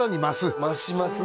増しますね